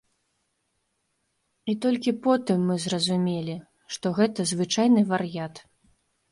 І толькі потым мы зразумелі, што гэта звычайны вар'ят.